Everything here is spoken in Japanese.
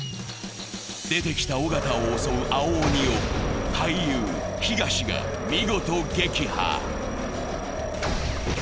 出てきた尾形を襲う青鬼を俳優・東が見事撃破。